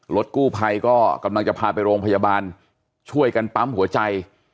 รถกู้ภัยก็กำลังจะพาไปโรงพยาบาลช่วยกันปั๊มหัวใจ